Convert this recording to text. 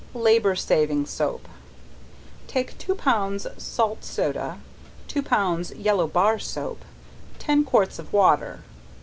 Labor saving Soap. Take two pounds salt soda, two pounds yellow bar soap, ten quarts of water.